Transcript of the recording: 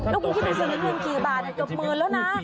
แล้วคุณคิดถึงสลึงนึงกี่บาทจบมือแล้วนะ